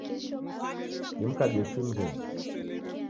Dimkabie chui mghenyu.